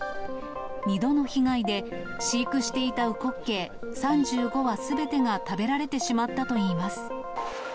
２度の被害で、飼育していたウコッケイ３５羽すべてが食べられてしまったといいます。